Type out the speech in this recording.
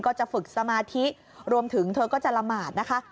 ก็จะฝึกสมาธิรวมถึงเธอก็จะละหมาดนะคะ